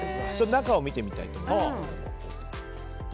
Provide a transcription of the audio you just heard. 中を見てみたいと思います。